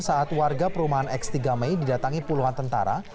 saat warga perumahan x tiga mei didatangi puluhan tentara